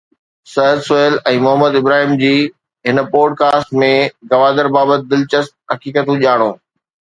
سعد سهيل ۽ محمد ابراهيم جي هن podcast ۾ Gwadar بابت دلچسپ حقيقتون ڄاڻو.